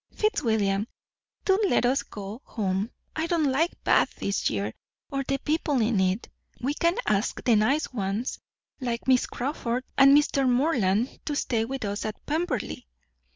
"Fitzwilliam, do let us go home. I don't like Bath this year, or the people in it. We can ask the nice ones, like Miss Crawford and Mr. Morland, to stay with us at Pemberley."